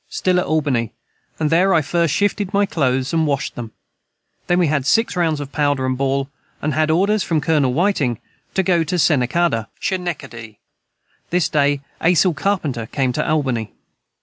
Stil at Albany and their I first shifted my clothes and washed them then we had 6 rounds of powder & ball & had orders from Colonel Whiting to go to Senakada this day Asel Carpenter came to Albany.